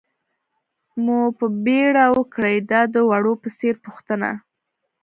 مو په بېړه وکړئ، دا د وړو په څېر پوښتنه.